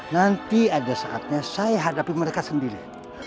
nanti ada saatnya saya hadapi mereka sendiri